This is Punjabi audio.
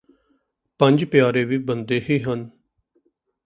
ਪੰਜ ਪਿਆਰੇ ਵੀ ਬੰਦੇ ਹੀ ਹਨ